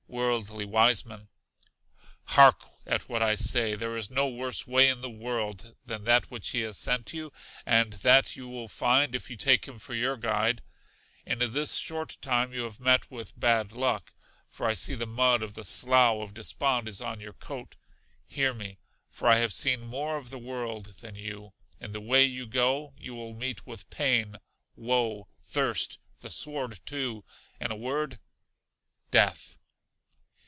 Worldly Wiseman. Hark at what I say: there is no worse way in the world than that which he has sent you, and that you will find if you take him for your guide. In this short time you have met with bad luck, for I see the mud of the Slough of Despond is on your coat. Hear me, for I have seen more of the world than you; in the way you go, you will meet with pain, woe, thirst, the sword too, in a word, death!